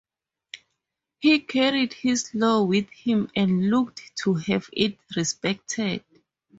He carried his law with him and looked to have it respected.